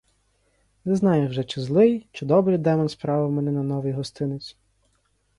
Не знаю вже, чи злий, чи добрий демон справив мене на новий гостинець.